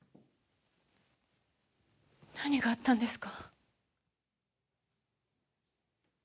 何があったんですか？